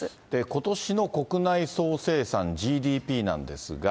ことしの国内総生産・ＧＤＰなんですが。